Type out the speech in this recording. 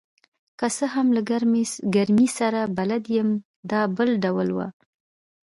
که څه هم له ګرمۍ سره بلد یم، دا بل ډول وه.